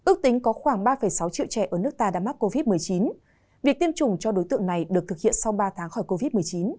ở nước ta đã mắc covid một mươi chín việc tiêm chủng cho đối tượng này được thực hiện sau ba tháng khỏi covid một mươi chín